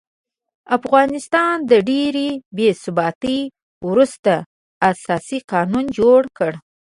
افغانستان د ډېرې بې ثباتۍ وروسته اساسي قانون جوړ کړ.